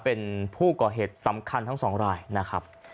เป็นผู้ก่อเหตุสำคัญทั้งสองรายนะครับ